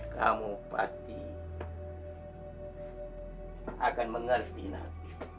kamu pasti akan mengerti nanti